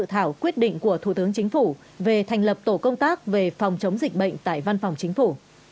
thảo quyết định của thủ tướng chính phủ về thành lập tổ công tác về phòng chống dịch bệnh tại văn phòng chính phủ